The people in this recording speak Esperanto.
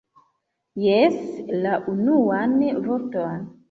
Jes, la unuan vorton!